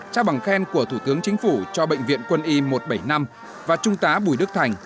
trao bằng khen của thủ tướng chính phủ cho bệnh viện quân y một trăm bảy mươi năm và trung tá bùi đức thành